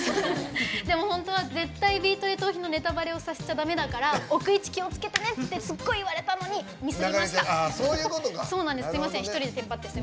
でも、本当は絶対に「ビートＤＥトーヒ」のネタバレをさせちゃだめだから置く位置、気をつけてねってすっごい言われたのにミスりました。